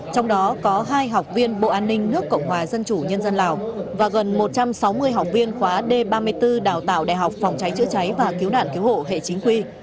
trong đó có hai học viên bộ an ninh nước cộng hòa dân chủ nhân dân lào và gần một trăm sáu mươi học viên khóa d ba mươi bốn đào tạo đại học phòng cháy chữa cháy và cứu nạn cứu hộ hệ chính quy